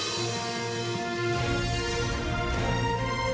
ชูเว็ดตีแสดหน้า